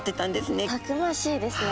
たくましいですね。